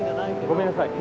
ごめんなさい。